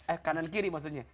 eh kanan kiri maksudnya